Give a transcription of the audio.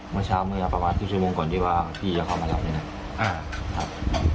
เมื่อเช้าเมื่อประมาณกี่ชั่วโมงก่อนที่ว่าพี่จะเข้ามารับนี่นะครับ